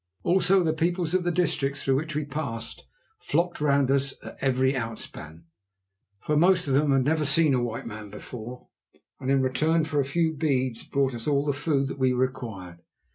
Also the peoples of the districts through which we passed flocked round us at every outspan, for most of them had never seen a white man before, and in return for a few beads brought us all the food that we required.